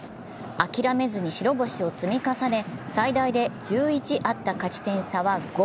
諦めずに白星を積み重ね、最大で１１あった勝ち点差は５。